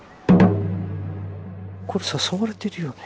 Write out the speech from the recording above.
これ誘われてるよね。